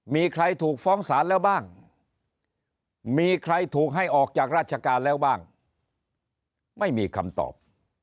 มีใครถูกฟ้องศาลแล้วบ้างมีใครถูกให้ออกจากราชการแล้วบ้างไม่มีคำตอบ